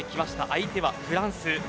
相手はフランスです。